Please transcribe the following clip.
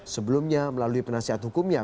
sebelumnya melalui penasihat hukumnya